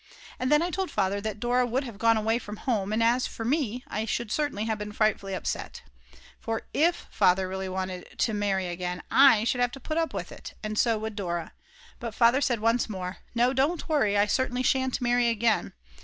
And then I told Father that Dora would have gone away from home, and as for me, I should certainly have been frightfully upset. For if Father really wanted to marry again I should have to put up with it; and so would Dora. But Father said once more: "Don't worry, I certainly shan't marry again."